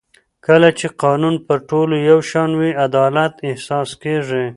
کله چې قانون پر ټولو یو شان وي عدالت احساس کېږي